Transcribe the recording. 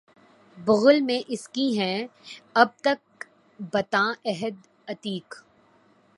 بغل میں اس کی ہیں اب تک بتان عہد عتیق